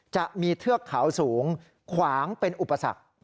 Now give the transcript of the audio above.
จะมีเทือกเขาสูงขวางเป็นอุปสรรค